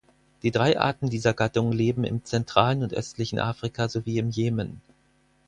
Die drei Arten dieser Gattung leben im zentralen und östlichen Afrika sowie im Jemen.